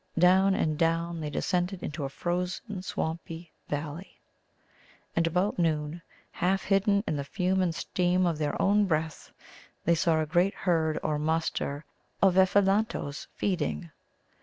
Down and down they descended into a frozen swampy valley. And about noon, half hidden in the fume and steam of their own breath, they saw a great herd or muster of Ephelantoes feeding.